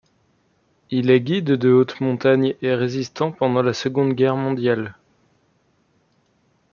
Il est guide de haute montagne et résistant pendant la Seconde Guerre mondiale.